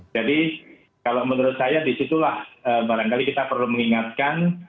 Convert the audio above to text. jadi kalau menurut saya disitulah barangkali kita perlu mengingatkan